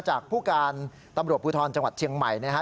จากผู้การตำรวจภูทรจังหวัดเชียงใหม่นะครับ